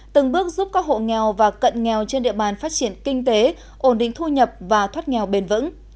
từng bước giúp các hộ nghèo và cận nghèo trên địa bàn phát triển kinh tế ổn định thu nhập và thoát nghèo bền vững